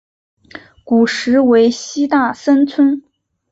古时为西大森村。